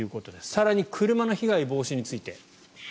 更に車の被害防止について。